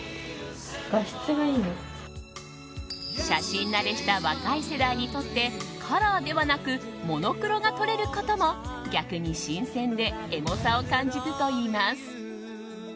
写真慣れした若い世代にとってカラーではなくモノクロが撮れることも逆に新鮮でエモさを感じるといいます。